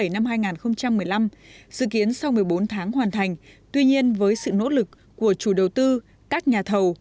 năm hai nghìn một mươi năm dự kiến sau một mươi bốn tháng hoàn thành tuy nhiên với sự nỗ lực của chủ đầu tư các nhà thầu